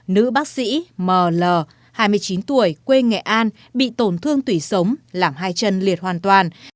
nữ bác sĩ ml hai mươi chín tuổi quê nghệ an bị tổn thương tủy sống làm hai chân liệt hoàn toàn